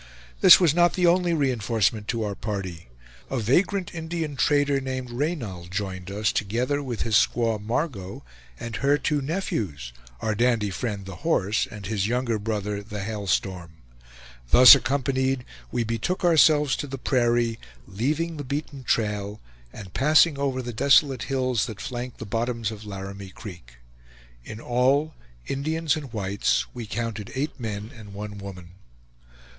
This was not the only re enforcement to our party. A vagrant Indian trader, named Reynal, joined us, together with his squaw Margot, and her two nephews, our dandy friend, The Horse, and his younger brother, The Hail Storm. Thus accompanied, we betook ourselves to the prairie, leaving the beaten trail, and passing over the desolate hills that flank the bottoms of Laramie Creek. In all, Indians and whites, we counted eight men and one woman.